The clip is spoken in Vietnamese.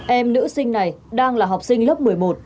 em nữ sinh này đang là học sinh lớp một mươi một